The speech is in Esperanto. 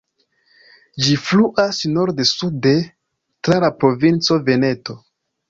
Ĝi fluas norde-sude tra la provinco Veneto.